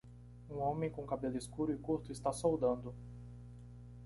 Um homem com cabelo escuro e curto está soldando.